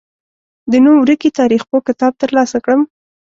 د نوم ورکي تاریخپوه کتاب تر لاسه کړم.